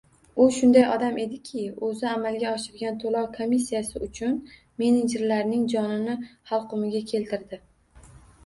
U shunday odam ediki, oʻzi amalga oshirgan toʻlov komissiyasi uchun menejerlarimning “jonini xalqumiga keltirdi”.